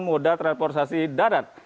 moda transportasi darat